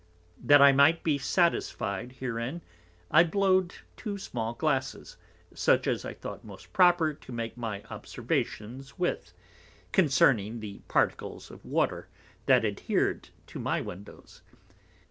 That I might be satisfied herein, I blow'd two small Glasses, such as I thought most proper to make my Observations with, concerning the Particles of Water that adhered to my Windows.